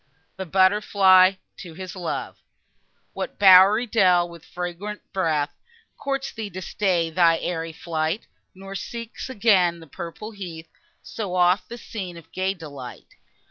THE BUTTER FLY TO HIS LOVE What bowery dell, with fragrant breath, Courts thee to stay thy airy flight; Nor seek again the purple heath, So oft the scene of gay delight?